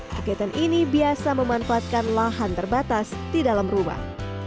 kegiatan ini biasa memanfaatkan lahan terbatas di dalam rumah